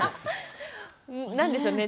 何でしょうね。